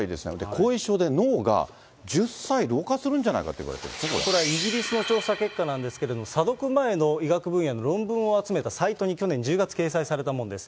後遺症で脳が１０歳老化するんじゃないかと言われてるんですか、これはイギリスの調査結果なんですけれども、査読前の医学分野の論文を集めたサイトに去年、１０月掲載されたものです。